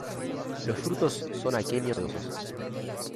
Los frutos son aquenios sedosos.